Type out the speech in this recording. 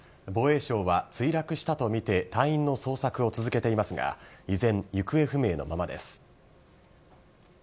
防衛省は墜落したと見て、隊員の捜索を続けていますが、依然、行方不明のままです。